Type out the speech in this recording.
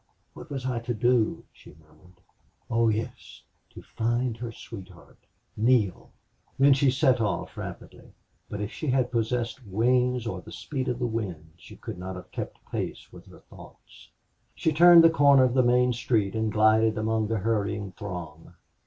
What was I to do?" she murmured. "Oh yes to find her sweetheart Neale!" Then she set off rapidly, but if she had possessed wings or the speed of the wind she could not have kept pace with her thoughts. She turned the corner of the main street and glided among the hurrying throng.